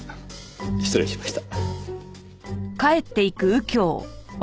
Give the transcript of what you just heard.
失礼しました。